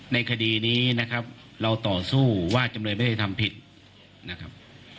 ในคดีนี้นะครับเราต่อสู้ว่าจำเลยไม่ได้ทำผิดนะครับ